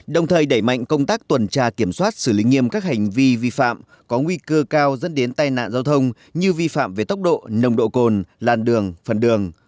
đồng thời đẩy mạnh công tác tuần tra kiểm soát xử lý nghiêm các hành vi vi phạm có nguy cơ cao dẫn đến tai nạn giao thông như vi phạm về tốc độ nồng độ cồn làn đường phần đường